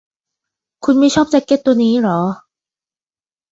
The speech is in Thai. คุณไม่ชอบแจ๊คเก็ตตัวนี้หรอ